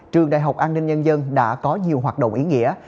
trường đại học an ninh nhân dân đã có nhiều hoạt động ý nghĩa